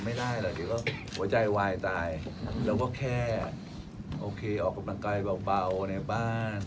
ไม่ได้หรอกเดี๋ยวก็หัวใจวายตายแล้วก็แค่โอเคออกกำลังกายเบาในบ้าน